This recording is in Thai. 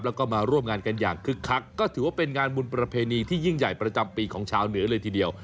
แล้วก็มาร่วมงานกันอย่างคึกคักก็ถือว่าเป็นงานบุญประเพณีที่ยิ่งใหญ่ประจำปีของชาวเหนือเลยทีเดียว